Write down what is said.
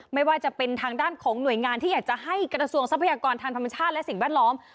ไม่ว่าจะเป็นทางด้านของหน่วยงานที่อยากจะให้กระทรวงทรัพยากรทางธรรมชาติและสิ่งแวดล้อม